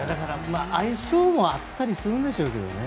相性もあったりするんでしょうけどね。